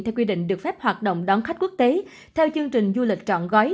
theo quy định được phép hoạt động đón khách quốc tế theo chương trình du lịch trọn gói